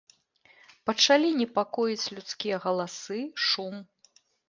Пачалі непакоіць людскія галасы, шум.